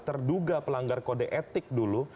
terduga pelanggar kode etik dulu